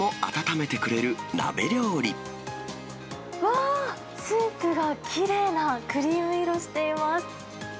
うわー、スープがきれいなクリーム色をしています。